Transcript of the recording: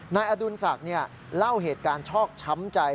นายอดุลศักดิ์เล่าเหตุการณ์ชอกช้ำใจ